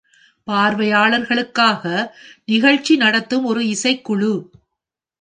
பார்வையாளர்களுக்காக நிகழ்ச்சி நடத்தும் ஒரு இசைக்குழு.